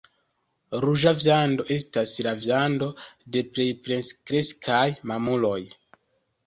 Ruĝa viando estas la viando de plej plenkreskaj mamuloj.